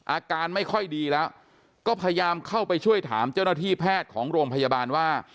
อาการไม่ค่อยดีแล้วก็พยายามเข้าไปช่วยถามเจ้าหน้าที่แพทย์ของโรงพยาบาลว่า